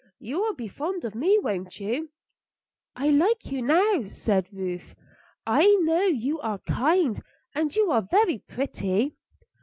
You will be fond of me, won't you?" "I like you now," said Ruth. "I know you are kind, and you are very pretty."